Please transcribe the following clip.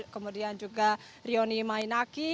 kemudian juga rioni mainaki